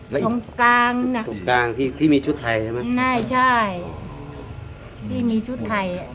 แล้วตรงกลางน่ะตรงกลางที่ที่มีชุดไทยใช่ไหมใช่ที่มีชุดไทย